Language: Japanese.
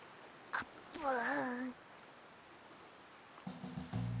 あーぷん！